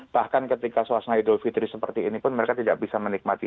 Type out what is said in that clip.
bahkan ketika suasana idul fitri seperti ini pun mereka tidak bisa menikmati